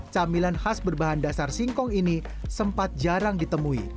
camilan khas berbahan dasar singkong ini sempat jarang ditemui